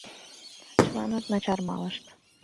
Чыланат начар малышт.